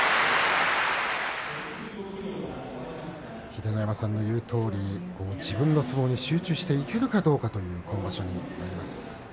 秀ノ山さんの言うとおり自分の相撲に集中していけるかどうかという今場所になります。